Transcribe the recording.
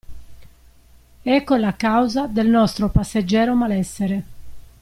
Ecco la causa del nostro passeggero malessere.